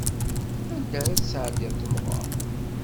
Anda ara tesɛeddiḍ temɣeṛ?